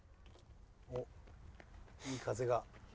おっいい風が。